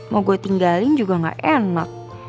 mau gue tinggalin juga gak enak